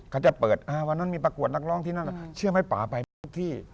เขาจะเปิดวันนั้นมีประกวดนักร้องที่นั่นเชื่อไหมป่าไปหมดทุกที่